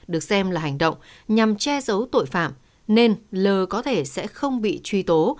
được xem là hành động nhằm che giấu tội phạm nên l có thể sẽ không bị truy tố